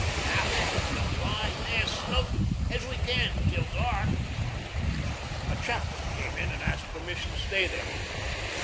Now we're leavin' 'em lie there snug as we can till dark.' A chaplain came in and asked permission to stay there.